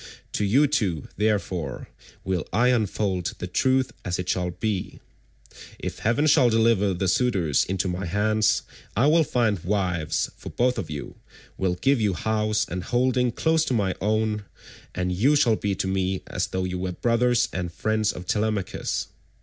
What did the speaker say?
To you two, therefore, will I unfold the truth as it shall be. If heaven shall deliver the suitors into my hands, I will find wives for both of you, will give you house and holding close to my own, and you shall be to me as though you were brothers and friends of Telemachus.